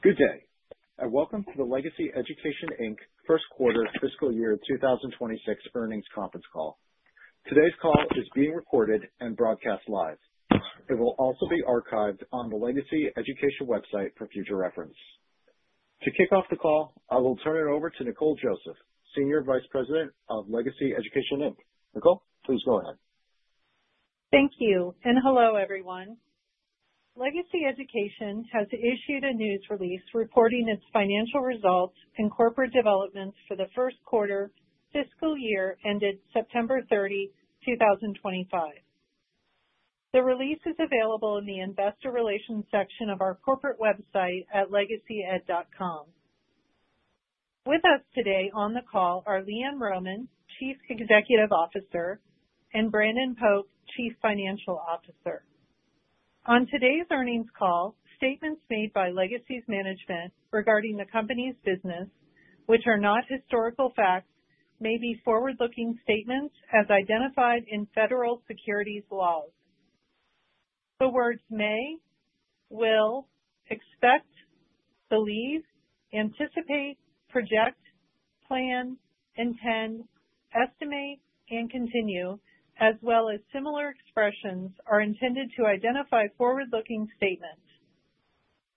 Good day and welcome to the Legacy Education Inc's First Quarter Fiscal Year 2026 Earnings Conference Call. Today's call is being recorded and broadcast live. It will also be archived on the Legacy Education website for future reference. To kick off the call, I will turn it over to Nicole Joseph, Senior Vice President of Legacy Education. Nicole, please go ahead. Thank you and hello everyone. Legacy Education has issued a news release reporting its financial results and corporate developments for the first quarter fiscal year ended September 30, 2025. The release is available in the investor relations section of our corporate website at legacyed.com. With us today on the call are LeeAnn Rohmann, Chief Executive Officer, and Brandon Pope, Chief Financial Officer. On today's earnings call, statements made by Legacy's management regarding the company's business, which are not historical facts, may be forward-looking statements as identified in federal securities laws. The words may, will, expect, believe, anticipate, project, plan, intend, estimate, and continue, as well as similar expressions, are intended to identify forward-looking statements.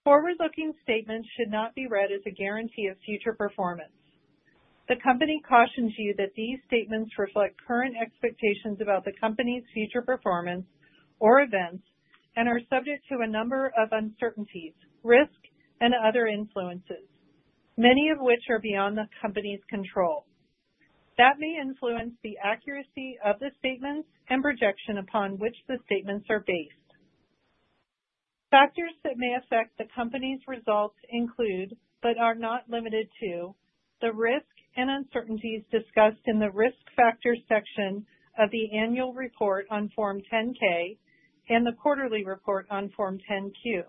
Forward-looking statements should not be read as a guarantee of future performance. The company cautions you that these statements reflect current expectations about the company's future performance or events and are subject to a number of uncertainties, risk, and other influences, many of which are beyond the company's control. That may influence the accuracy of the statements and projection upon which the statements are based. Factors that may affect the company's results include, but are not limited to, the risk and uncertainties discussed in the risk factor section of the annual report on Form 10-K and the quarterly report on Form 10-Q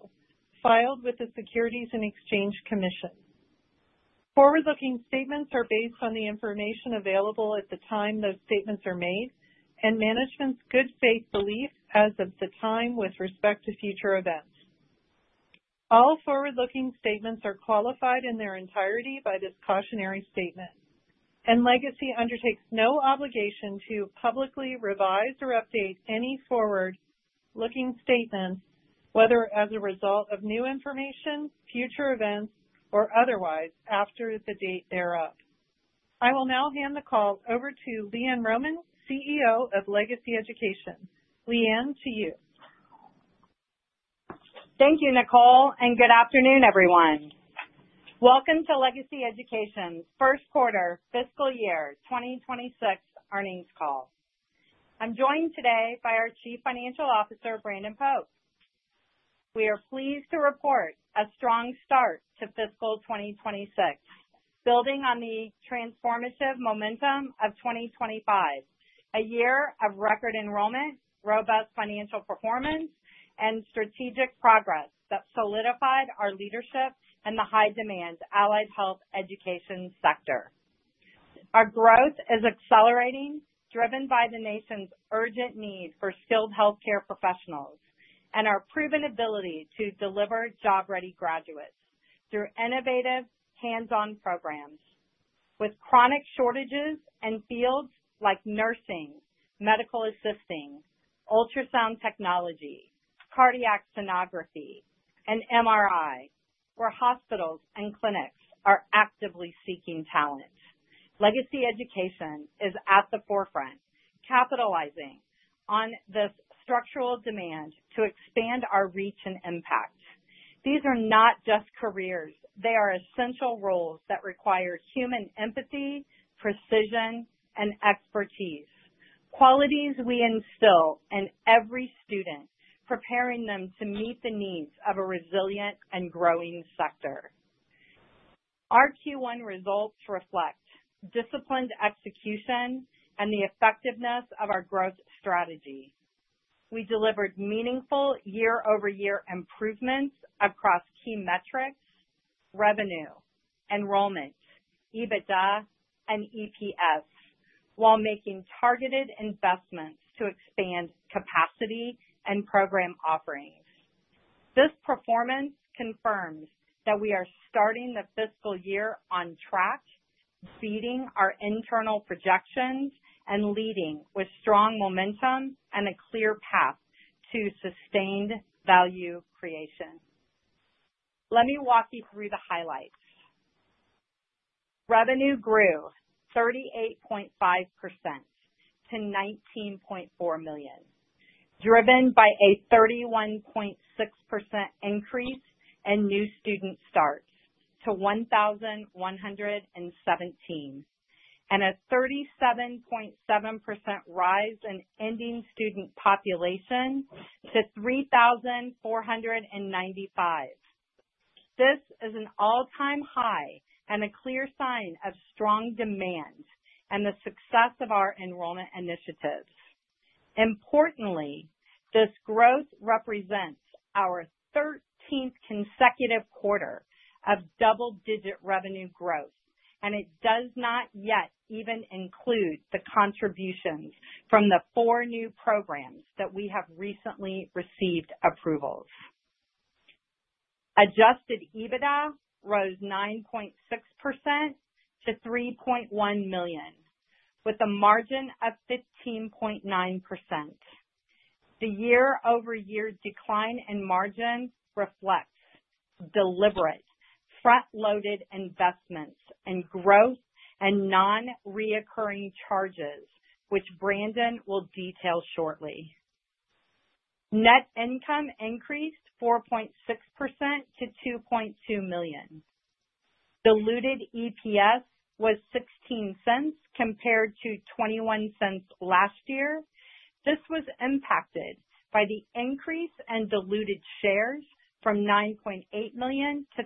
filed with the Securities and Exchange Commission. Forward-looking statements are based on the information available at the time those statements are made and management's good faith belief as of the time with respect to future events. All forward-looking statements are qualified in their entirety by this cautionary statement, and Legacy undertakes no obligation to publicly revise or update any forward-looking statements, whether as a result of new information, future events, or otherwise after the date thereof. I will now hand the call over to LeeAnn Rohmann, CEO of Legacy Education. LeeAnn, to you. Thank you, Nicole, and good afternoon, everyone. Welcome to Legacy Education's First Quarter Fiscal Year 2026 Earnings Call. I'm joined today by our Chief Financial Officer, Brandon Pope. We are pleased to report a strong start to fiscal 2026, building on the transformative momentum of 2025, a year of record enrollment, robust financial performance, and strategic progress that solidified our leadership in the high-demand allied health education sector. Our growth is accelerating, driven by the nation's urgent need for skilled healthcare professionals and our proven ability to deliver job-ready graduates through innovative hands-on programs. With chronic shortages in fields like nursing, medical assisting, ultrasound technology, cardiac sonography, and MRI, where hospitals and clinics are actively seeking talent, Legacy Education is at the forefront, capitalizing on this structural demand to expand our reach and impact. These are not just careers; they are essential roles that require human empathy, precision, and expertise, qualities we instill in every student, preparing them to meet the needs of a resilient and growing sector. Our Q1 results reflect disciplined execution and the effectiveness of our growth strategy. We delivered meaningful year-over-year improvements across key metrics, revenue, enrollment, EBITDA, and EPS, while making targeted investments to expand capacity and program offerings. This performance confirms that we are starting the fiscal year on track, beating our internal projections and leading with strong momentum and a clear path to sustained value creation. Let me walk you through the highlights. Revenue grew 38.5% to $19.4 million, driven by a 31.6% increase in new student starts to 1,117, and a 37.7% rise in ending student population to 3,495. This is an all-time high and a clear sign of strong demand and the success of our enrollment initiatives. Importantly, this growth represents our 13th consecutive quarter of double-digit revenue growth, and it does not yet even include the contributions from the four new programs that we have recently received approvals. Adjusted EBITDA rose 9.6% to $3.1 million, with a margin of 15.9%. The year-over-year decline in margin reflects deliberate, front-loaded investments in growth and non-reoccurring charges, which Brandon will detail shortly. Net income increased 4.6% to $2.2 million. Diluted EPS was $0.16 compared to $0.21 last year. This was impacted by the increase in diluted shares from 9.8 million to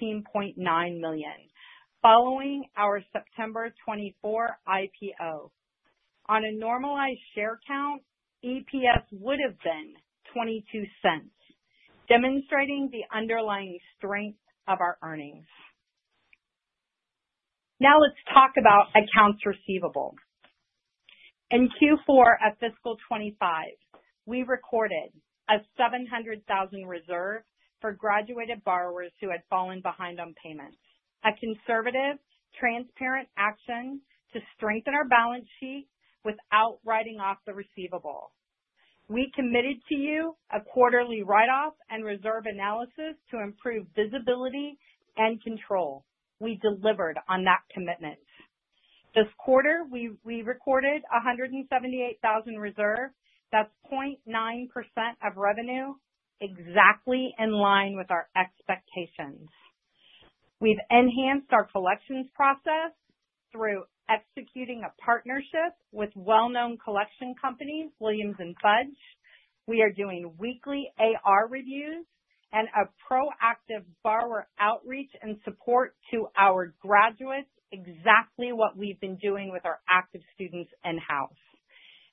13.9 million following our September 24 IPO. On a normalized share count, EPS would have been $0.22, demonstrating the underlying strength of our earnings. Now let's talk about accounts receivable. In Q4 of fiscal 2025, we recorded a $700,000 reserve for graduated borrowers who had fallen behind on payments, a conservative, transparent action to strengthen our balance sheet without writing off the receivable. We committed to you a quarterly write-off and reserve analysis to improve visibility and control. We delivered on that commitment. This quarter, we recorded a $178,000 reserve. That's 0.9% of revenue, exactly in line with our expectations. We've enhanced our collections process through executing a partnership with well-known collection companies, Williams & Fudge. We are doing weekly AR reviews and a proactive borrower outreach and support to our graduates, exactly what we've been doing with our active students in-house.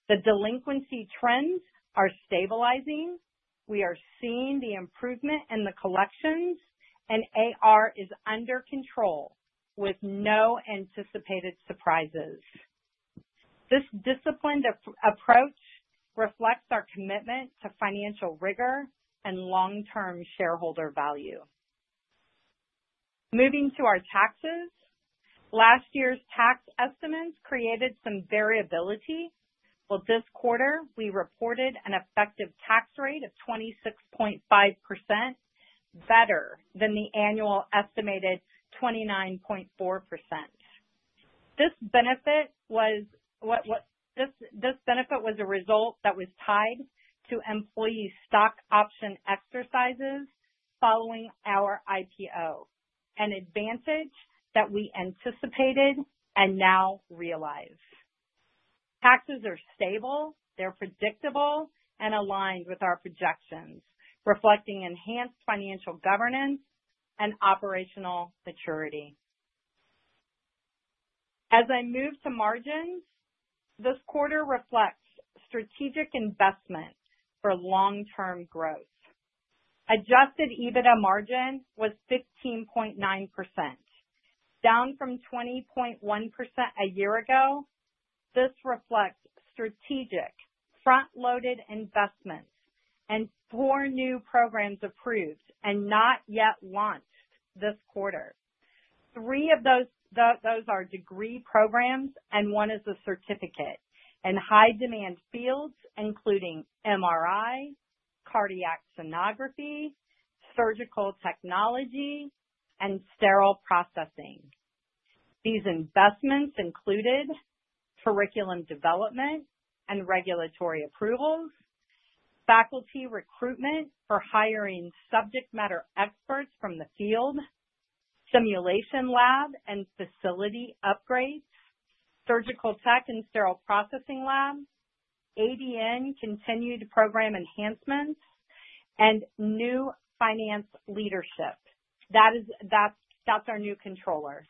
The delinquency trends are stabilizing. We are seeing the improvement in the collections, and AR is under control with no anticipated surprises. This disciplined approach reflects our commitment to financial rigor and long-term shareholder value. Moving to our taxes, last year's tax estimates created some variability, but this quarter we reported an effective tax rate of 26.5%, better than the annual estimated 29.4%. This benefit was a result that was tied to employee stock option exercises following our IPO, an advantage that we anticipated and now realize. Taxes are stable. They're predictable and aligned with our projections, reflecting enhanced financial governance and operational maturity. As I move to margins, this quarter reflects strategic investment for long-term growth. Adjusted EBITDA margin was 15.9%, down from 20.1% a year ago. This reflects strategic, front-loaded investments and four new programs approved and not yet launched this quarter. Three of those are degree programs and one is a certificate in high-demand fields, including MRI, cardiac sonography, surgical technology, and sterile processing. These investments included curriculum development and regulatory approvals, faculty recruitment for hiring subject matter experts from the field, simulation lab and facility upgrades, surgical tech and sterile processing lab, ATN continued program enhancements, and new finance leadership. That is our new controller.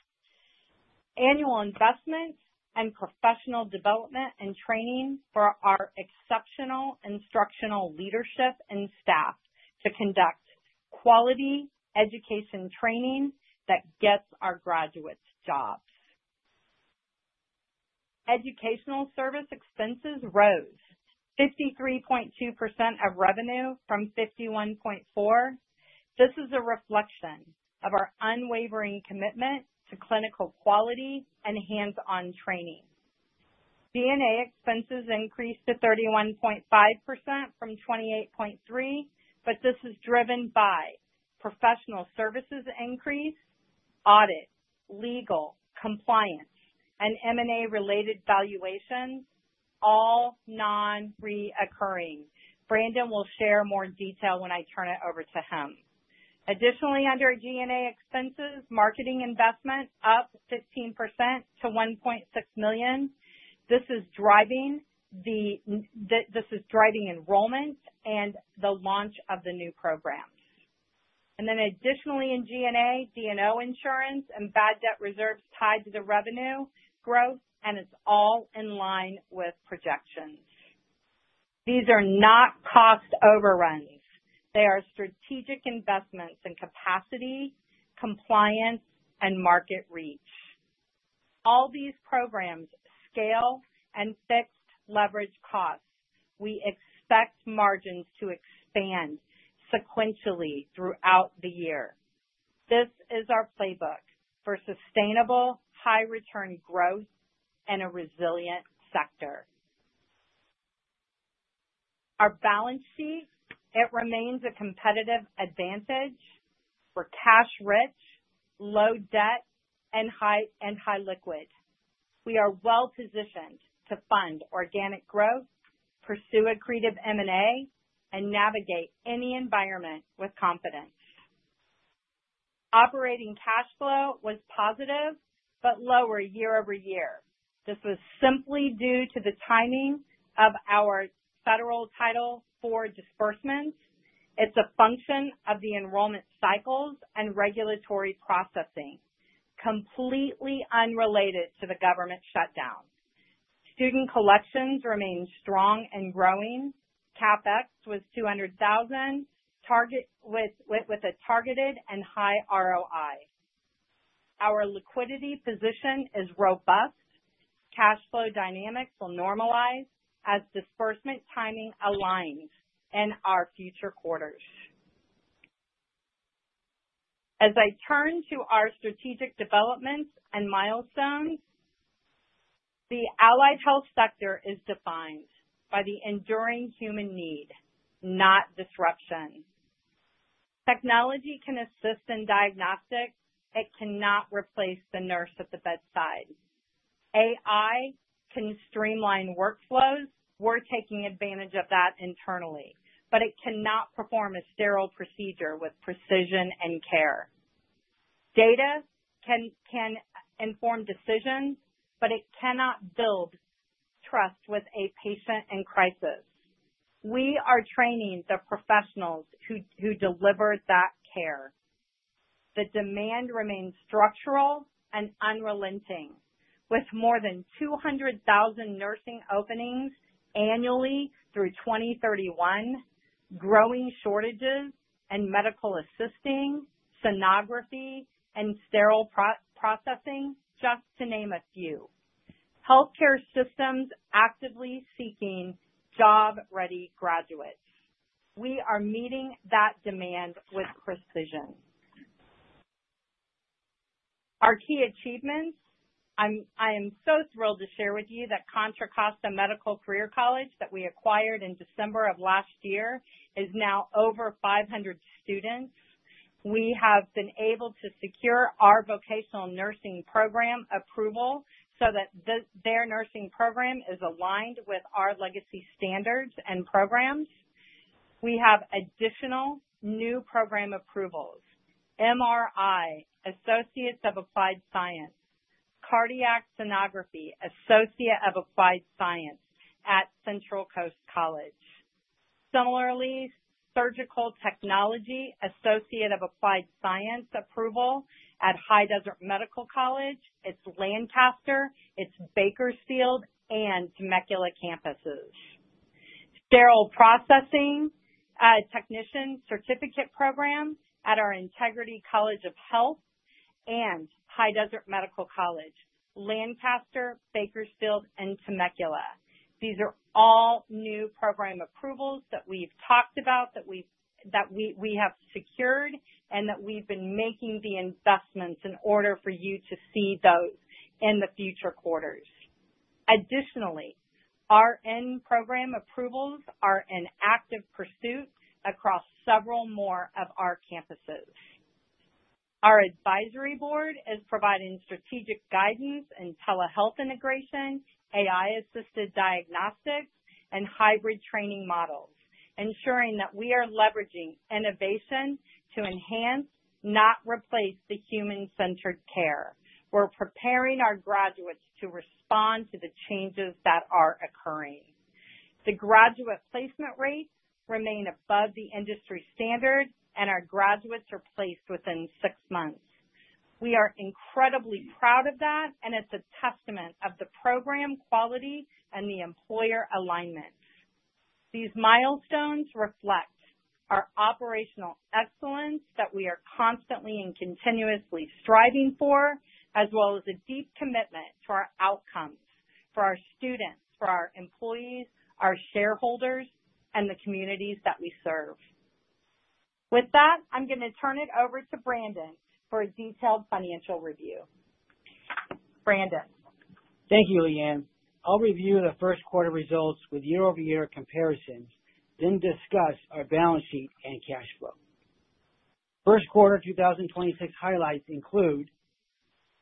Annual investments and professional development and training for our exceptional instructional leadership and staff to conduct quality education training that gets our graduates jobs. Educational service expenses rose to 53.2% of revenue from 51.4%. This is a reflection of our unwavering commitment to clinical quality and hands-on training. DNA expenses increased to 31.5% from 28.3%, but this is driven by professional services increase, audit, legal, compliance, and M&A-related valuations, all non-recurring. Brandon will share more detail when I turn it over to him. Additionally, under DNA expenses, marketing investment up 15% to $1.6 million. This is driving enrollment and the launch of the new programs. Additionally, in D&O insurance and bad debt reserves tied to the revenue growth, and it's all in line with projections. These are not cost overruns. They are strategic investments in capacity, compliance, and market reach. All these programs scale and fix leverage costs. We expect margins to expand sequentially throughout the year. This is our playbook for sustainable, high-return growth and a resilient sector. Our balance sheet, it remains a competitive advantage for cash-rich, low debt, and high liquid. We are well-positioned to fund organic growth, pursue accretive M&A, and navigate any environment with confidence. Operating cash flow was positive but lower year over year. This was simply due to the timing of our federal Title IV disbursements. It's a function of the enrollment cycles and regulatory processing, completely unrelated to the government shutdown. Student collections remain strong and growing. CapEx was $200,000 with a targeted and high ROI. Our liquidity position is robust. Cash flow dynamics will normalize as disbursement timing aligns in our future quarters. As I turn to our strategic developments and milestones, the allied health sector is defined by the enduring human need, not disruption. Technology can assist in diagnostic. It cannot replace the nurse at the bedside. AI can streamline workflows. We're taking advantage of that internally, but it cannot perform a sterile procedure with precision and care. Data can inform decisions, but it cannot build trust with a patient in crisis. We are training the professionals who deliver that care. The demand remains structural and unrelenting. With more than 200,000 nursing openings annually through 2031, growing shortages in medical assisting, sonography, and sterile processing, just to name a few. Healthcare systems actively seeking job-ready graduates. We are meeting that demand with precision. Our key achievements, I am so thrilled to share with you that Contra Costa Medical Career College that we acquired in December of last year is now over 500 students. We have been able to secure our vocational nursing program approval so that their nursing program is aligned with our legacy standards and programs. We have additional new program approvals: MRI, Associate of Applied Science; Cardiac Sonography, Associate of Applied Science at Central Coast College. Similarly, Surgical Technology, Associate of Applied Science approval at High Desert Medical College. It's Lancaster, it's Bakersfield, and Temecula campuses. Sterile Processing Technician Certificate Program at our Integrity College of Health and High Desert Medical College, Lancaster, Bakersfield, and Temecula. These are all new program approvals that we've talked about, that we have secured, and that we've been making the investments in order for you to see those in the future quarters. Additionally, our end program approvals are in active pursuit across several more of our campuses. Our advisory board is providing strategic guidance in telehealth integration, AI-assisted diagnostics, and hybrid training models, ensuring that we are leveraging innovation to enhance, not replace, the human-centered care. We're preparing our graduates to respond to the changes that are occurring. The graduate placement rates remain above the industry standard, and our graduates are placed within six months. We are incredibly proud of that, and it's a testament of the program quality and the employer alignment. These milestones reflect our operational excellence that we are constantly and continuously striving for, as well as a deep commitment to our outcomes for our students, for our employees, our shareholders, and the communities that we serve. With that, I'm going to turn it over to Brandon for a detailed financial review. Brandon. Thank you, LeeAnn. I'll review the first quarter results with year-over-year comparisons, then discuss our balance sheet and cash flow. First quarter 2026 highlights include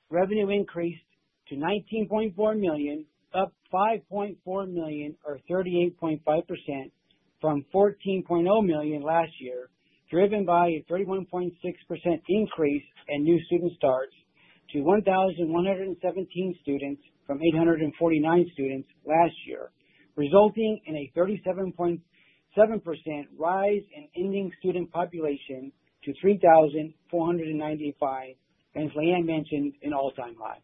revenue increased to $19.4 million, up $5.4 million, or 38.5% from $14.0 million last year, driven by a 31.6% increase in new student starts to 1,117 students from 849 students last year, resulting in a 37.7% rise in ending student population to 3,495, as LeeAnn mentioned, an all-time high.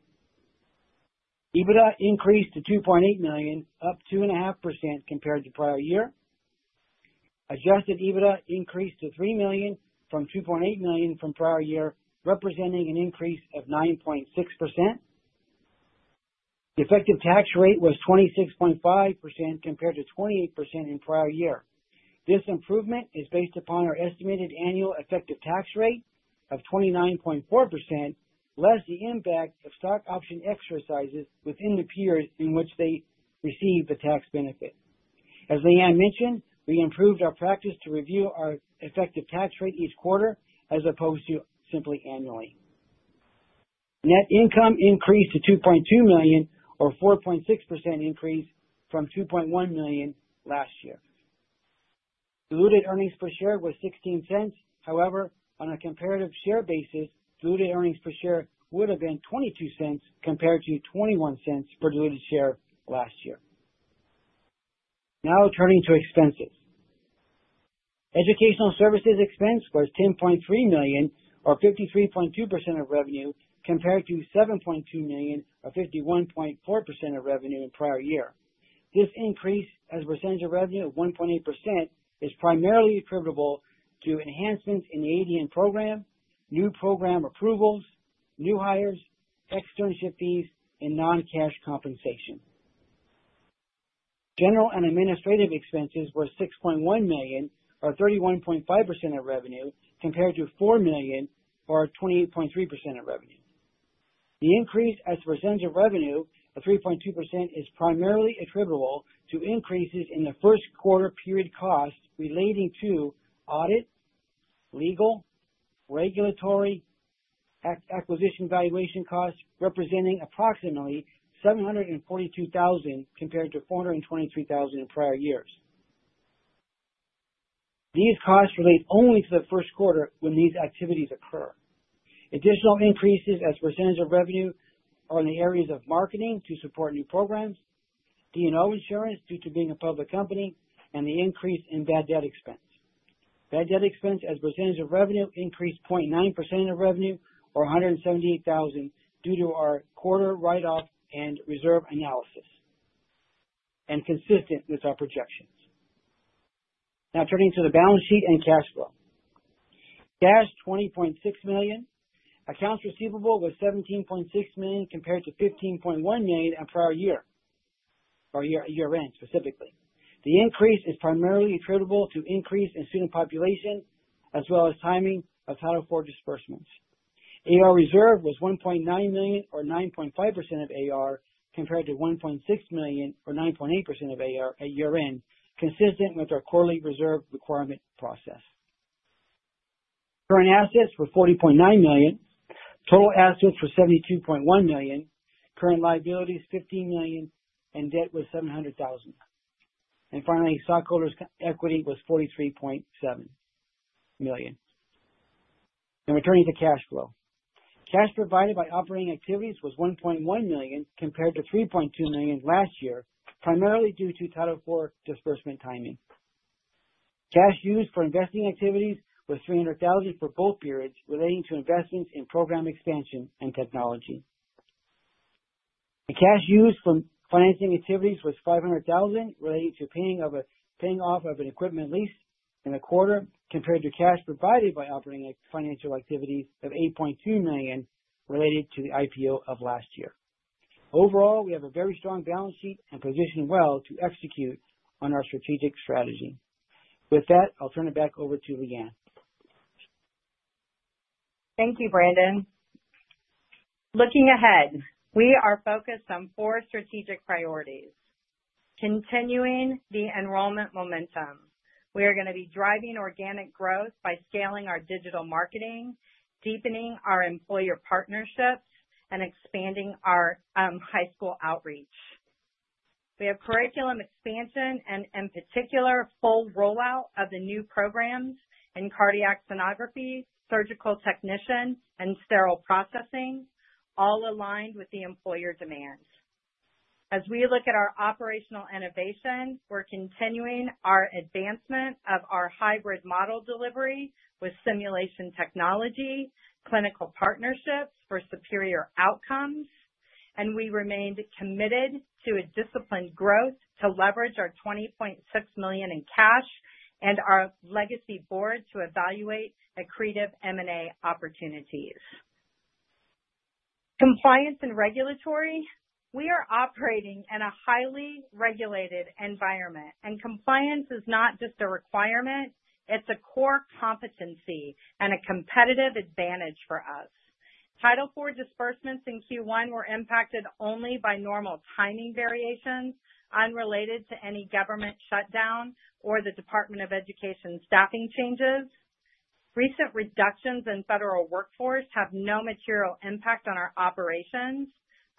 EBITDA increased to $2.8 million, up 2.5% compared to prior year. Adjusted EBITDA increased to $3 million from $2.8 million from prior year, representing an increase of 9.6%. The effective tax rate was 26.5% compared to 28% in prior year. This improvement is based upon our estimated annual effective tax rate of 29.4%, less the impact of stock option exercises within the periods in which they receive the tax benefit. As LeeAnn mentioned, we improved our practice to review our effective tax rate each quarter as opposed to simply annually. Net income increased to $2.2 million, or a 4.6% increase from $2.1 million last year. Diluted earnings per share was $0.16. However, on a comparative share basis, diluted earnings per share would have been $0.22 compared to $0.21 per diluted share last year. Now turning to expenses. Educational services expense was $10.3 million, or 53.2% of revenue, compared to $7.2 million, or 51.4% of revenue in prior year. This increase as percentage of revenue of 1.8% is primarily attributable to enhancements in the ATN program, new program approvals, new hires, externship fees, and non-cash compensation. General and administrative expenses were $6.1 million, or 31.5% of revenue, compared to $4 million, or 28.3% of revenue. The increase as percentage of revenue of 3.2% is primarily attributable to increases in the first quarter period costs relating to audit, legal, regulatory, acquisition valuation costs, representing approximately $742,000 compared to $423,000 in prior years. These costs relate only to the first quarter when these activities occur. Additional increases as percentage of revenue are in the areas of marketing to support new programs, D&O insurance due to being a public company, and the increase in bad debt expense. Bad debt expense as percentage of revenue increased 0.9% of revenue, or $178,000, due to our quarter write-off and reserve analysis, and consistent with our projections. Now turning to the balance sheet and cash flow. Cash, $20.6 million. Accounts receivable was $17.6 million compared to $15.1 million in prior year, or year-end specifically. The increase is primarily attributable to increase in student population as well as timing of Title IV disbursements. AR reserve was $1.9 million, or 9.5% of AR, compared to $1.6 million, or 9.8% of AR at year-end, consistent with our quarterly reserve requirement process. Current assets were $40.9 million. Total assets were $72.1 million. Current liabilities $15 million, and debt was $700,000. Finally, stockholders' equity was $43.7 million. Now returning to cash flow. Cash provided by operating activities was $1.1 million compared to $3.2 million last year, primarily due to Title IV disbursement timing. Cash used for investing activities was $300,000 for both periods relating to investments in program expansion and technology. The cash used for financing activities was $500,000 relating to paying off of an equipment lease in the quarter compared to cash provided by operating financial activities of $8.2 million related to the IPO of last year. Overall, we have a very strong balance sheet and position well to execute on our strategic strategy. With that, I'll turn it back over to LeeAnn. Thank you, Brandon. Looking ahead, we are focused on four strategic priorities: continuing the enrollment momentum. We are going to be driving organic growth by scaling our digital marketing, deepening our employer partnerships, and expanding our high school outreach. We have curriculum expansion and, in particular, full rollout of the new programs in cardiac sonography, surgical technician, and sterile processing, all aligned with the employer demands. As we look at our operational innovation, we're continuing our advancement of our hybrid model delivery with simulation technology, clinical partnerships for superior outcomes, and we remain committed to a disciplined growth to leverage our $20.6 million in cash and our legacy board to evaluate accretive M&A opportunities. Compliance and regulatory. We are operating in a highly regulated environment, and compliance is not just a requirement; it's a core competency and a competitive advantage for us. Title IV disbursements in Q1 were impacted only by normal timing variations unrelated to any government shutdown or the Department of Education staffing changes. Recent reductions in federal workforce have no material impact on our operations.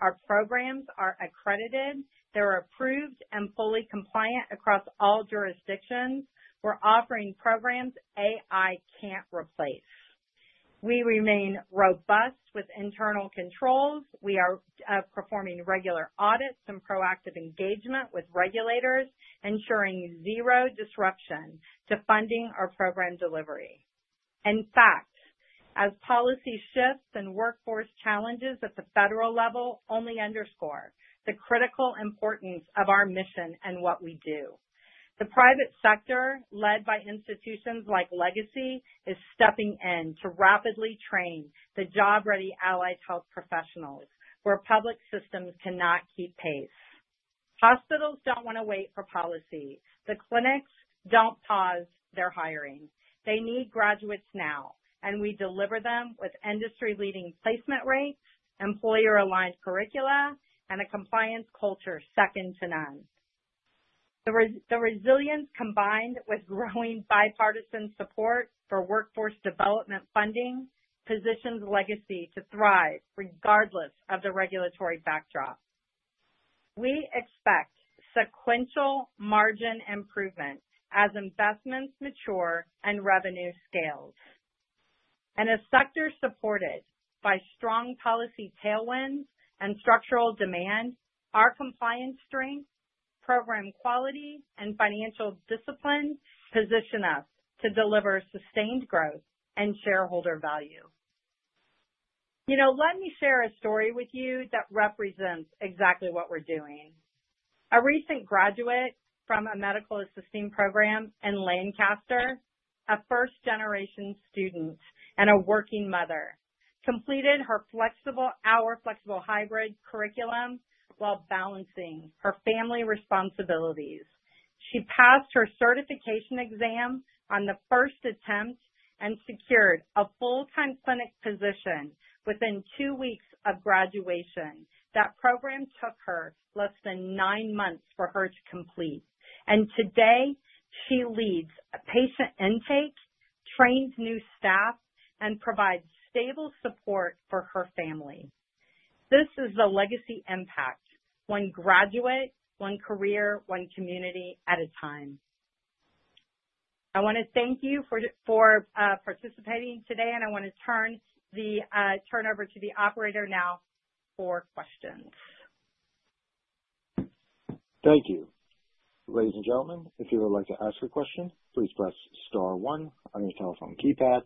Our programs are accredited. They're approved and fully compliant across all jurisdictions. We're offering programs AI can't replace. We remain robust with internal controls. We are performing regular audits and proactive engagement with regulators, ensuring zero disruption to funding our program delivery. In fact, as policy shifts and workforce challenges at the federal level only underscore the critical importance of our mission and what we do, the private sector, led by institutions like Legacy, is stepping in to rapidly train the job-ready allied health professionals where public systems cannot keep pace. Hospitals do not want to wait for policy. The clinics do not pause their hiring. They need graduates now, and we deliver them with industry-leading placement rates, employer-aligned curricula, and a compliance culture second to none. The resilience combined with growing bipartisan support for workforce development funding positions Legacy to thrive regardless of the regulatory backdrop. We expect sequential margin improvement as investments mature and revenue scales. As sectors supported by strong policy tailwinds and structural demand, our compliance strength, program quality, and financial discipline position us to deliver sustained growth and shareholder value. You know, let me share a story with you that represents exactly what we're doing. A recent graduate from a medical assisting program in Lancaster, a first-generation student and a working mother, completed her flexible hour flexible hybrid curriculum while balancing her family responsibilities. She passed her certification exam on the first attempt and secured a full-time clinic position within two weeks of graduation. That program took her less than nine months for her to complete. Today, she leads a patient intake, trains new staff, and provides stable support for her family. This is the Legacy Impact: one graduate, one career, one community at a time. I want to thank you for participating today, and I want to turn the turnover to the operator now for questions. Thank you. Ladies and gentlemen, if you would like to ask a question, please press star one on your telephone keypad,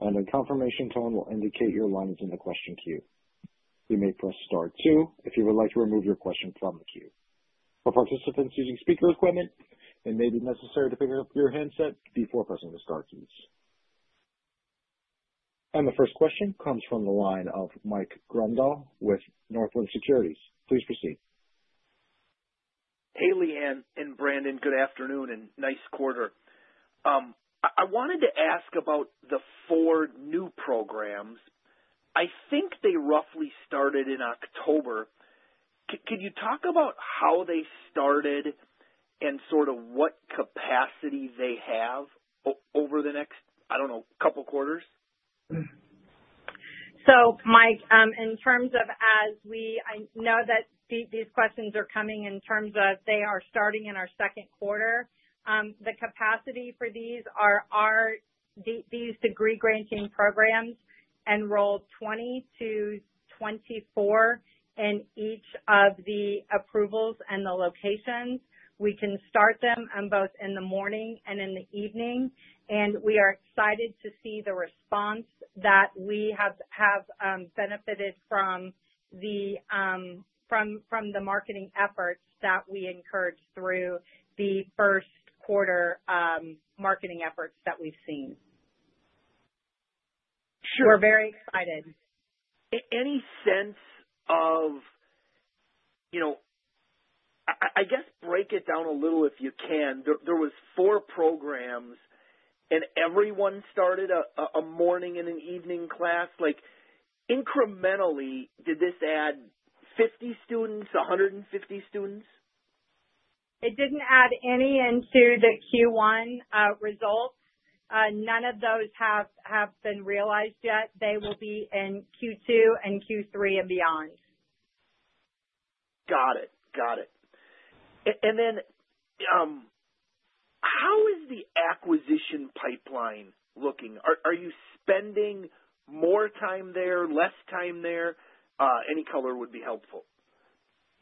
and a confirmation tone will indicate your line is in the question queue. You may press star two if you would like to remove your question from the queue. For participants using speaker equipment, it may be necessary to pick up your handset before pressing the star keys. The first question comes from the line of Mike Grondahl with Northland Securities. Please proceed. Hey, LeeAnn and Brandon. Good afternoon and nice quarter. I wanted to ask about the four new programs. I think they roughly started in October. Could you talk about how they started and sort of what capacity they have over the next, I don't know, couple quarters? Mike, in terms of as we I know that these questions are coming in terms of they are starting in our second quarter. The capacity for these are these degree-granting programs enroll 20-24 in each of the approvals and the locations. We can start them both in the morning and in the evening, and we are excited to see the response that we have benefited from the marketing efforts that we encouraged through the first quarter marketing efforts that we've seen. We're very excited. Any sense of, you know, I guess break it down a little if you can. There were four programs, and everyone started a morning and an evening class. Incrementally, did this add 50 students, 150 students? It didn't add any into the Q1 results. None of those have been realized yet. They will be in Q2 and Q3 and beyond. Got it. Got it. And then how is the acquisition pipeline looking? Are you spending more time there, less time there? Any color would be helpful.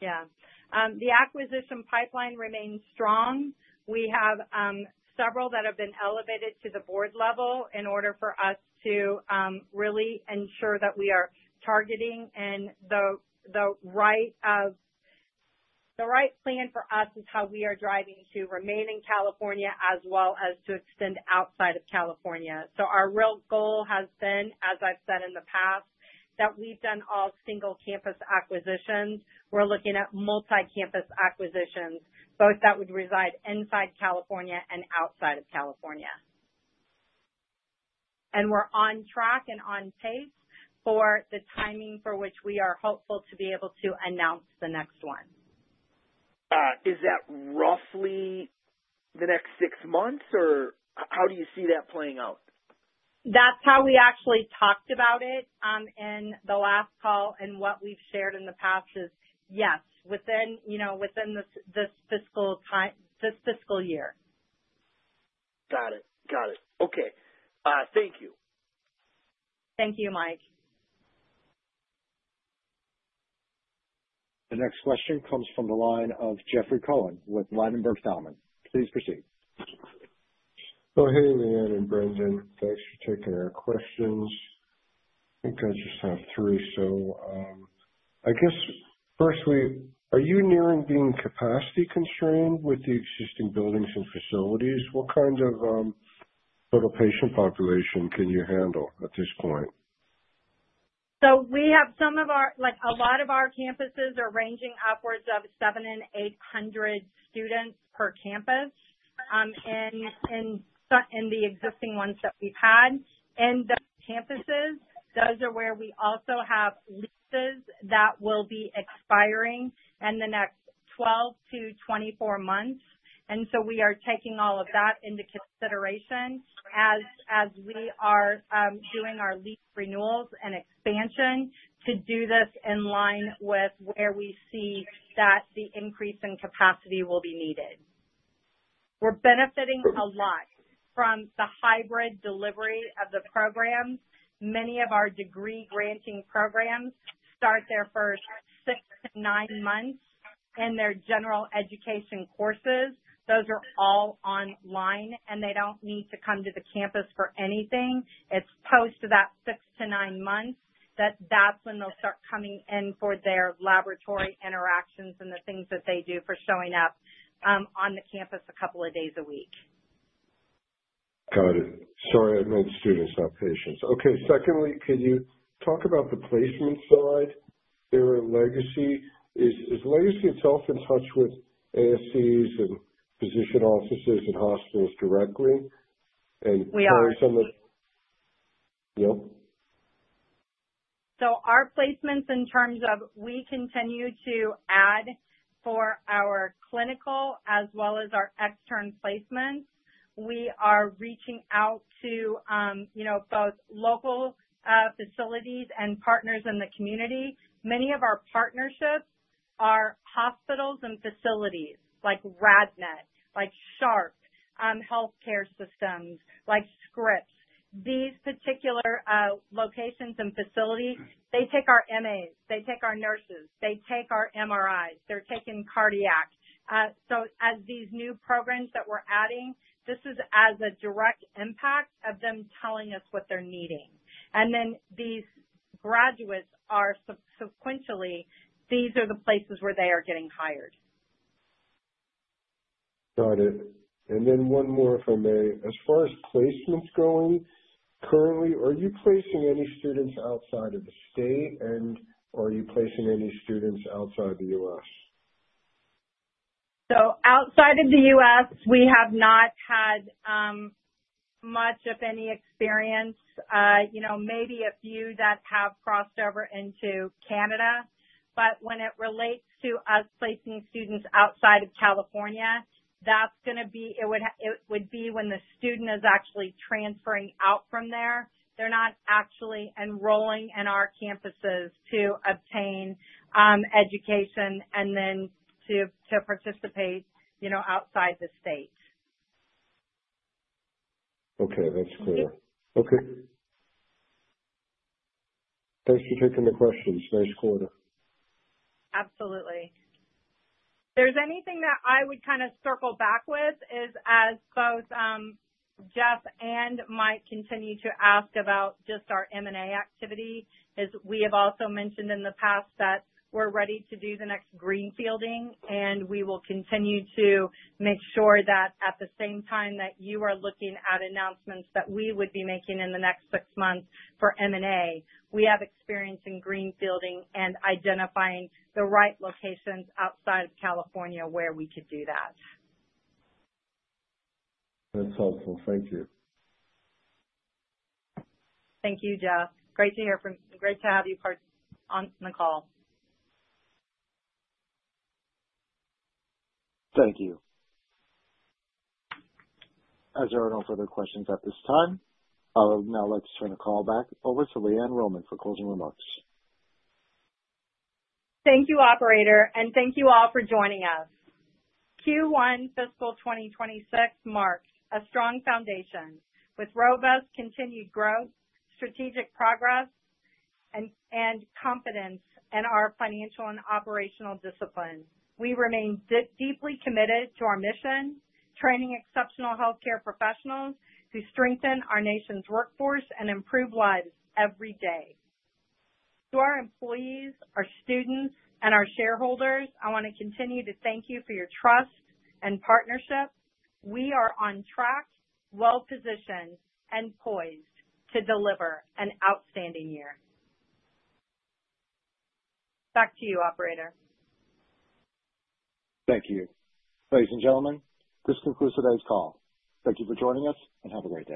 Yeah. The acquisition pipeline remains strong. We have several that have been elevated to the board level in order for us to really ensure that we are targeting in the right plan for us is how we are driving to remain in California as well as to extend outside of California. Our real goal has been, as I've said in the past, that we've done all single-campus acquisitions. We're looking at multi-campus acquisitions, both that would reside inside California and outside of California. We're on track and on pace for the timing for which we are hopeful to be able to announce the next one. Is that roughly the next six months, or how do you see that playing out? That's how we actually talked about it in the last call, and what we've shared in the past is yes, within this fiscal year. Got it. Got it. Okay. Thank you. Thank you, Mike. The next question comes from the line of Jeffrey Cohen with Ladenburg Thalmann. Please proceed. Oh, hey, LeeAnn and Brandon. Thanks for taking our questions. I think I just have three. I guess first, are you nearing being capacity constrained with the existing buildings and facilities? What kind of total patient population can you handle at this point? We have some of our, a lot of our campuses are ranging upwards of 700 and 800 students per campus in the existing ones that we've had. In those campuses, those are where we also have leases that will be expiring in the next 12 months-24 months. We are taking all of that into consideration as we are doing our lease renewals and expansion to do this in line with where we see that the increase in capacity will be needed. We're benefiting a lot from the hybrid delivery of the programs. Many of our degree-granting programs start their first six to nine months in their general education courses. Those are all online, and they don't need to come to the campus for anything. It's post that six to nine months that that's when they'll start coming in for their laboratory interactions and the things that they do for showing up on the campus a couple of days a week. Got it. Sorry, I meant students, not patients. Okay. Secondly, could you talk about the placement side? There are Legacy. Is Legacy itself in touch with ASCs and physician offices and hospitals directly? There are some of. We are. Yep. Our placements in terms of we continue to add for our clinical as well as our external placements. We are reaching out to both local facilities and partners in the community. Many of our partnerships are hospitals and facilities like RadNet, like Sharp Healthcare, like Scripps. These particular locations and facilities, they take our MAs. They take our nurses. They take our MRIs. They are taking cardiac. As these new programs that we are adding, this is as a direct impact of them telling us what they are needing. These graduates are sequentially these are the places where they are getting hired. Got it. One more if I may. As far as placements going, currently, are you placing any students outside of the state, and are you placing any students outside the U.S.? Outside of the U.S., we have not had much of any experience. Maybe a few that have crossed over into Canada. But when it relates to us placing students outside of California, that's going to be it would be when the student is actually transferring out from there. They're not actually enrolling in our campuses to obtain education and then to participate outside the state. Okay. That's clear. Okay. Thanks for taking the questions. Nice quarter. Absolutely. there's anything that I would kind of circle back with is as both Jeff and Mike continue to ask about just our M&A activity is we have also mentioned in the past that we're ready to do the next greenfielding, and we will continue to make sure that at the same time that you are looking at announcements that we would be making in the next six months for M&A, we have experience in greenfielding and identifying the right locations outside of California where we could do that. That's helpful. Thank you. Thank you, Jeff. Great to hear from you, great to have you on the call. Thank you. As there are no further questions at this time, I would now like to turn the call back over to LeeAnn Roman for closing remarks. Thank you, operator, and thank you all for joining us. Q1 fiscal 2026 marks a strong foundation with robust continued growth, strategic progress, and confidence in our financial and operational discipline. We remain deeply committed to our mission, training exceptional healthcare professionals who strengthen our nation's workforce and improve lives every day. To our employees, our students, and our shareholders, I want to continue to thank you for your trust and partnership. We are on track, well-positioned, and poised to deliver an outstanding year. Back to you, operator. Thank you. Ladies and gentlemen, this concludes today's call. Thank you for joining us and have a great day.